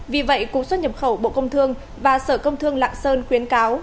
vì vậy cục xuất nhập khẩu bộ công thương và sở công thương lạng sơn khuyến cáo